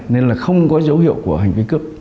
nên là không có dấu hiệu của hành vi cướp